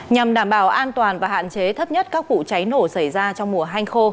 nhằm đảm bảo an toàn và hạn chế thấp nhất các vụ cháy nổ xảy ra trong mùa hai nghìn hai mươi